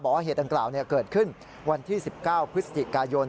ว่าเหตุดังกล่าวเกิดขึ้นวันที่๑๙พฤศจิกายน